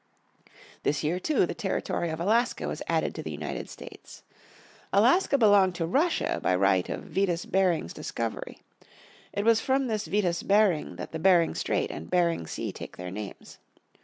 This year too, the territory of Alaska was added to the United States. Alaska belonged to Russia by right of Vitus Bering's discovery. It was from this Vitus Bering that the Bering Strait and Bering Sea take their names.